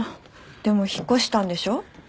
でも引っ越したんでしょ？